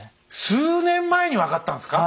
数年前に分かったんすか？